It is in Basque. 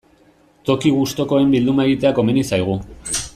Toki gustukoen bilduma egitea komeni zaigu.